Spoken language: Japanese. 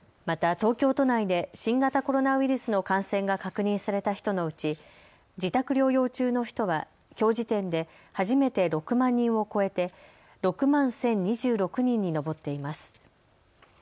また東京都内で新型コロナウイルスの感染が確認された人のうち自宅療養中の人はきょう時点で初めて６万人を超えて６万１０２６人に上っています。